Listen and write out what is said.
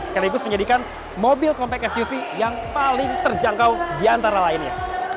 sekaligus menjadikan mobil compact suv yang paling terjangkau di antara lainnya